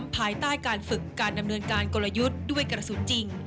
ภายใต้การฝึกการดำเนินการกลยุทธ์ด้วยกระสุนจริง